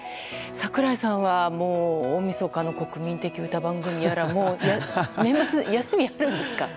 櫻井さんは、大みそかの国民的歌番組やら年末、休みあるんですか？